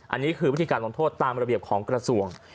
อันนี้คือวิธีการลงโทษตามระเบียบของกระทรวง